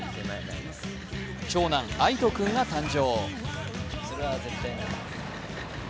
長男、碧人君が誕生。